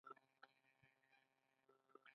کله چې یې ولیدل چې له عکس العمل سره مخ نه شو.